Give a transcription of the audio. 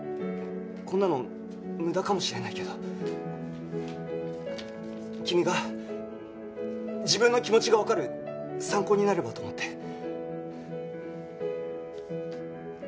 こんなの無駄かもしれないけど君が自分の気持ちがわかる参考になればと思って。